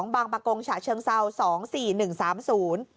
บางประกงฉะเชิงเซาสองสี่หนึ่งสามศูนย์